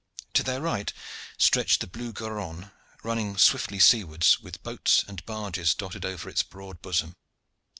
To their right stretched the blue Garonne, running swiftly seawards, with boats and barges dotted over its broad bosom.